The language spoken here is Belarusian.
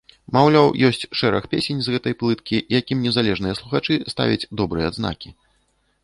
Маўляў, ёсць шэраг песень з гэтай плыткі, якім незалежныя слухачы ставяць добрыя адзнакі.